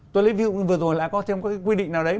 tôi lấy view vừa rồi là có thêm cái quy định nào đấy